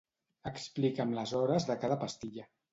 Explica'm les hores de cada pastilla.